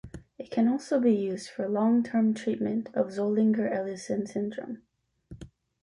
It can also be used for long-term treatment of Zollinger-Ellison syndrome.